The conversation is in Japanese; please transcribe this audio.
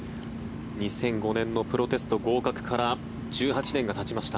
２００５年のプロテスト合格から１８年がたちました。